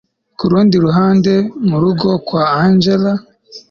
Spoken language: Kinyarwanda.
kurundi ruhande murugo kwa angella